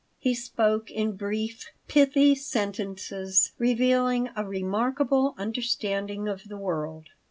He spoke in brief, pithy sentences, revealing a remarkable understanding of the world.